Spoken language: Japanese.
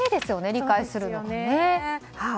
理解するのがね。